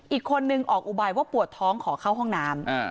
อีกคนนึงออกอุบายว่าปวดท้องขอเข้าห้องน้ำ